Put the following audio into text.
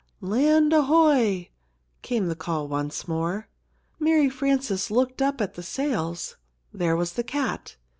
"Land ahoy!" came the call once more. Mary Frances looked up at the sails. There was the cat.